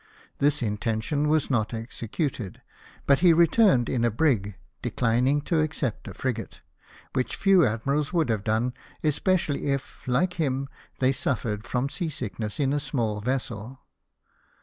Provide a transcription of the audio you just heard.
This intention was not executed ; but he returned in a brig, declining to accept a frigate — which few admirals would have done, especially if, BONAPARTE'S THREATENED INVASION. 261 like him, they suffered from sea sickness in a small vessel.